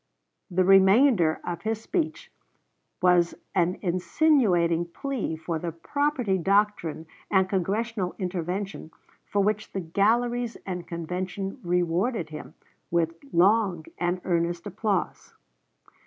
The remainder of his speech was an insinuating plea for the property doctrine and Congressional intervention, for which the galleries and convention rewarded him with long and earnest applause.